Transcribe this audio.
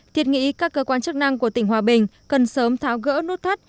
thiệt nghĩ các cơ quan chức năng của tỉnh hòa bình cần sớm tháo gỡ nút thắt